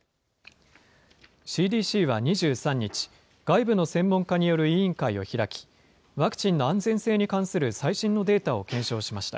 ＣＤＣは２３日、外部の専門家による委員会を開き、ワクチンの安全性に関する最新のデータを検証しました。